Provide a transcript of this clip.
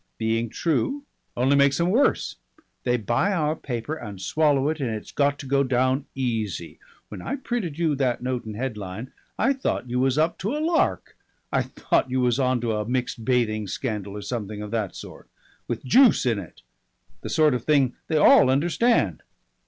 Being true only makes 'em worse. They buy our paper to swallow it and it's got to go down easy. When I printed you that note and headline I thought you was up to a lark. I thought you was on to a mixed bathing scandal or something of that sort with juice in it. The sort of thing that all understand.